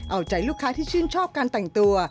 เอาใจลูกค้าที่ชื่นชอบการแต่งตัว